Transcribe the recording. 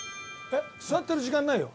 座ってる時間ないよ。